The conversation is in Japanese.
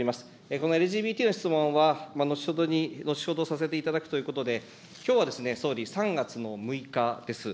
このＬＧＢＴの質問は後ほどさせていただくということで、きょうはですね、総理、３月の６日です。